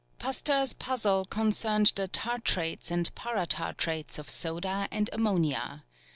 Pasteur's puzzle concerned the tartrates and paratartrates of soda and ammonia.